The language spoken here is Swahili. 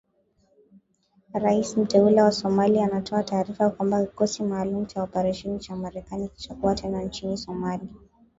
Rais mteule wa Somalia anatoa taarifa kwamba kikosi maalum cha operesheni cha Marekani kitakuwa tena nchini Somalia.